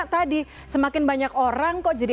tadi semakin banyak orang kok jadi